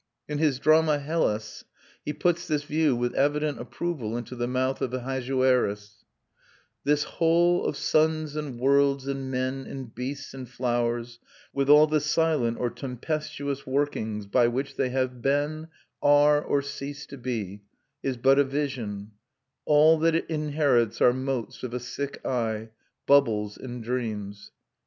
In his drama Hellas he puts this view with evident approval into the mouth of Ahasuerus: "This whole Of suns and worlds and men and beasts and flowers, With all the silent or tempestuous workings By which they have been, are, or cease to be, Is but a vision; all that it inherits Are motes of a sick eye, bubbles and dreams.